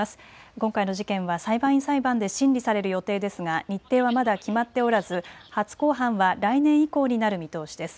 今回の事件は裁判員裁判で審理される予定ですが日程はまだ決まっておらず初公判は来年以降になる見通しです。